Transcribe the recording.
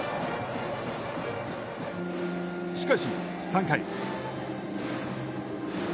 しかし、３回。